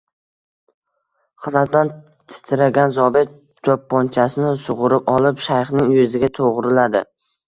G`azabdan titragan zobit to`pponchasini sug`urib olib, shayxning yuziga to`g`riladi